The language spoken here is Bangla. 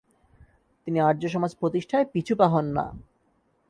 তিনি আর্যসমাজ প্রতিষ্ঠায় পিছু পা হন না।